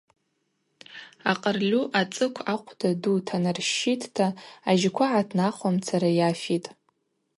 Акъырльу ацӏыкв ахъвда ду танарщщитӏта ажьква гӏатнахуамцара йафитӏ.